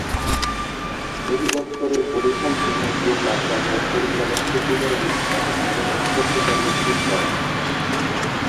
অধিদপ্তরের বরিশাল বিভাগীয় কার্যালয়ের পরিচালক সুকুমার বিশ্বাস ঘটনার সত্যতা নিশ্চিত করেন।